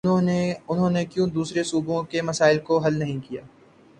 انہوں نے کیوں دوسرے صوبوں کے مسائل کو حل نہیں کیا؟